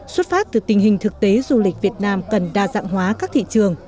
xuất phát từ tình hình thực tế du lịch việt nam cần đa dạng hóa các thị trường